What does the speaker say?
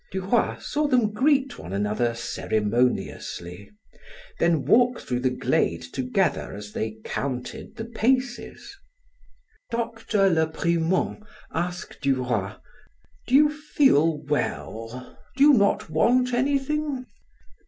Duroy saw them greet one another ceremoniously, then walk through the glade together as they counted the paces. Dr. Le Brument asked Duroy: "Do you feel well? Do you not want anything?"